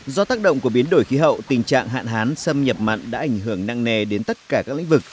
do tác động của biến đổi khí hậu tình trạng hạn hán xâm nhập mặn đã ảnh hưởng nặng nề đến tất cả các lĩnh vực